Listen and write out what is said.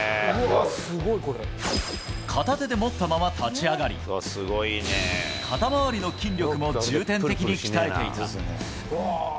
片手で持ったまま立ち上がり、肩周りの筋力も重点的に鍛えていた。